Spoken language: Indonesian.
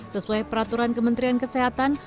sesuai peraturan kementerian kesehatan